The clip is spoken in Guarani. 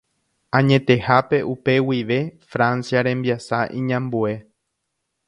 Añetehápe upe guive Francia rembiasa iñambue.